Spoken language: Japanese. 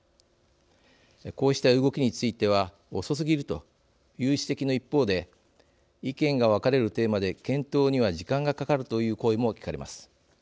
こうした動きについては遅すぎるという指摘の一方で意見が分かれるテーマで検討には時間がかかるという声も聞かれます。